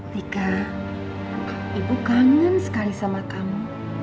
tiga ibu kangen sekali sama kamu